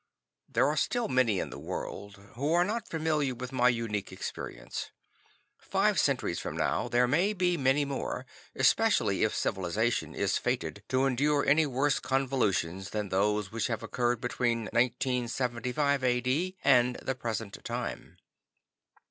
There are still many in the world who are not familiar with my unique experience. Five centuries from now there may be many more, especially if civilization is fated to endure any worse convulsions than those which have occurred between 1975 A.D. and the present time.